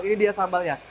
ini dia sambalnya